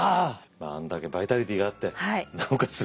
あんだけバイタリティーがあってなおかつ